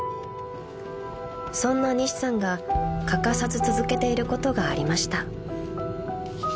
［そんな西さんが欠かさず続けていることがありました］